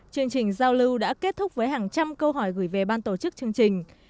chương trình giao lưu đã kết thúc với hàng trăm câu hỏi gửi về ban tổ chức chương trình